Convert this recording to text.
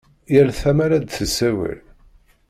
Yal tama la d-tessawal.